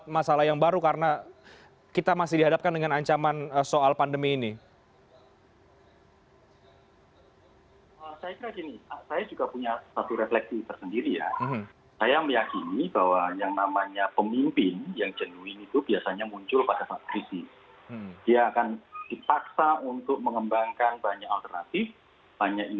mas agus melas dari direktur sindikasi pemilu demokrasi